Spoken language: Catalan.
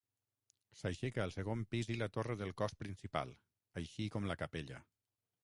S'aixeca el segon pis i la torre del cos principal, així com la capella.